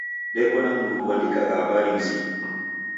Deko na mndu uandikagha habari mzinyi.